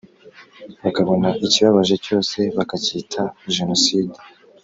bakabona ikibabaje cyose bakacyita Jenoside